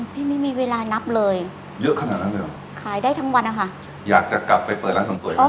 ไม่มีเวลานับเลยเยอะขนาดนั้นเลยเหรอขายได้ทั้งวันนะคะอยากจะกลับไปเปิดร้านเสริมสวย